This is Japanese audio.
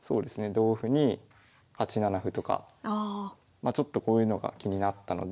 同歩に８七歩とかちょっとこういうのが気になったので。